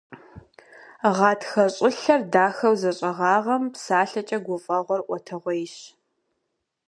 Гъатхэ щӀылъэр дахэу зэщӀэгъагъэм, псалъэкӀэ гуфӀэгъуэр Ӏуэтэгъуейщ.